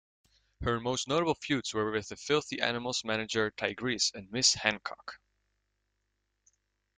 Her most notable feuds were with The Filthy Animals' manager Tygress and Miss Hancock.